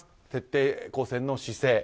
徹底抗戦の姿勢